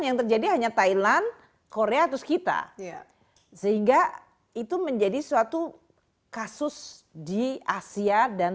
yang terjadi hanya thailand korea terus kita sehingga itu menjadi suatu kasus di asia dan